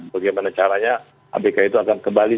bagaimana caranya abk itu akan kembali